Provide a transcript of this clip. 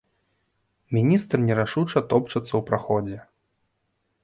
Міністр нерашуча топчацца ў праходзе.